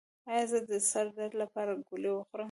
ایا زه د سر درد لپاره ګولۍ وخورم؟